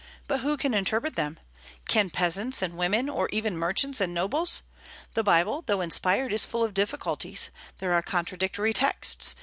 But who can interpret them? Can peasants and women, or even merchants and nobles? The Bible, though inspired, is full of difficulties; there are contradictory texts.